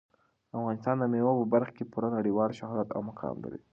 افغانستان د مېوو په برخه کې پوره نړیوال شهرت او مقام لري.